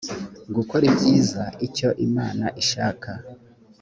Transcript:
gukora ibyiza icyo imana ishaka